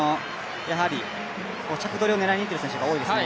着取りを狙いにいってる選手が多いですね。